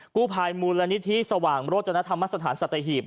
กู้ภัยมูลนิธิสว่างโรจนธรรมสถานสัตหีบ